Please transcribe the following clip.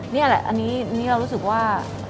นี่แหละอันนี้เรารู้สึกว่า